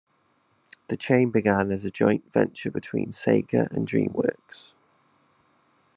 The chain began as a joint venture between Sega and DreamWorks.